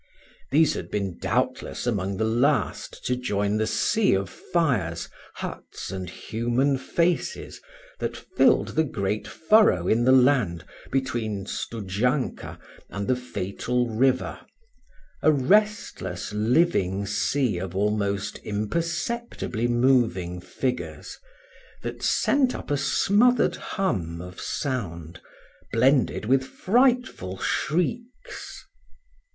These had been, doubtless, among the last to join the sea of fires, huts, and human faces that filled the great furrow in the land between Studzianka and the fatal river, a restless living sea of almost imperceptibly moving figures, that sent up a smothered hum of sound blended with frightful shrieks.